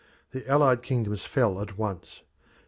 The allied kingdoms fell at once.